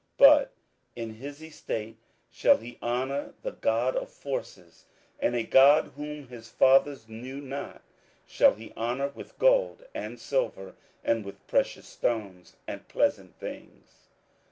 27:011:038 But in his estate shall he honour the God of forces: and a god whom his fathers knew not shall he honour with gold, and silver, and with precious stones, and pleasant things.